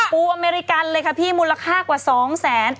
อเมริกันเลยค่ะพี่มูลค่ากว่า๒แสน